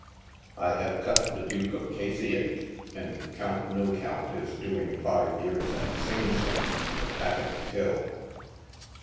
I have cut the Duke of Kaciac, and the Count Nocouut is doing five years at Sing Sing for 'Happing a till."